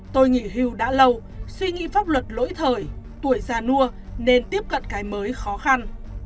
tôi nghỉ hưu đã lâu suy nghĩ pháp luật lỗi thời tuổi già nua nên tiếp cận cái mới khó khăn